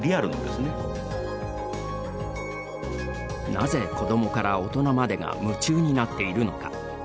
なぜ子どもから大人までが夢中になっているのか？